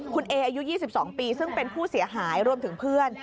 คุณเออายุ๒๒ปีซึ่งเป็นผู้เสียหายรวมถึงเพื่อน